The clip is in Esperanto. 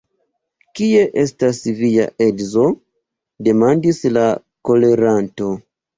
Kie estas via edzo!? demandis la koleranto.